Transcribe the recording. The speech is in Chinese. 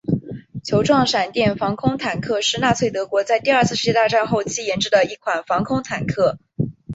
球状闪电防空坦克是纳粹德国在第二次世界大战后期研制的一款防空坦克。